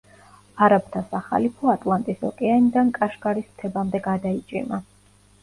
არაბთა სახალიფო ატლანტის ოკეანიდან კაშგარის მთებამდე გადაიჭიმა.